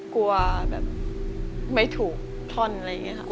กลัวแบบไม่ถูกท่อนอะไรอย่างนี้ค่ะ